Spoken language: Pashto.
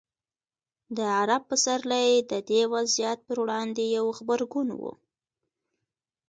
د عرب پسرلی د دې وضعیت پر وړاندې یو غبرګون و.